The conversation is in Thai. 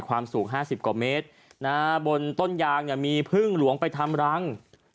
ความสูง๕๐กว่าเมตรบนต้นยางเนี่ยมีพึ่งหลวงไปทำรัง